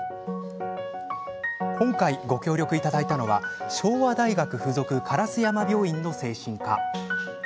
今回、ご協力いただいたのは昭和大学附属烏山病院の精神科。